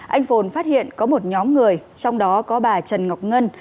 anh phồn phát hiện có một nhóm người trong đó có bà trần ngọc ngân